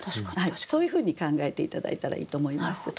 そういうふうに考えて頂いたらいいと思います。